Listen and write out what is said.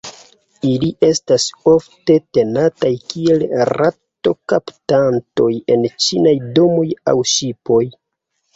Ili estas ofte tenataj kiel rato-kaptantoj en ĉinaj domoj aŭ ŝipoj.